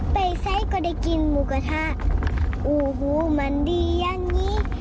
ไปไซส์ก็ได้กินหมูกระทะโอ้โหมันดีอย่างนี้